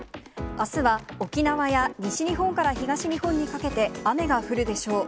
あすは、沖縄や西日本から東日本にかけて、雨が降るでしょう。